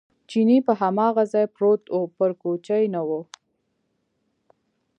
چیني په هماغه ځای پروت و، پر کوچې نه و.